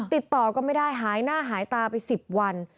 ติดต่อก็ไม่ได้หายหน้าหายตาไป๑๐วัน